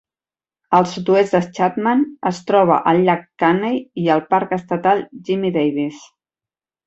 Al sud-oest de Chatham es troba el llac Caney i el parc estatal Jimmie Davis.